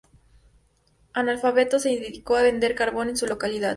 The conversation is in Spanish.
Analfabeto, se dedicó a vender carbón en su localidad.